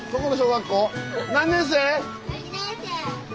何年生？